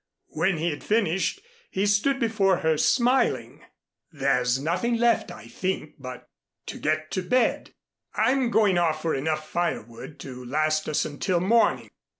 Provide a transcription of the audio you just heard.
When he had finished, he stood before her smiling. "There's nothing left, I think but to get to bed. I'm going off for enough firewood to last us until morning.